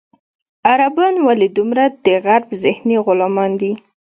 عربان ولې دومره د غرب ذهني غلامان دي.